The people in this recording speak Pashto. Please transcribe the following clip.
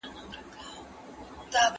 دا مثلث شکلونه دئ.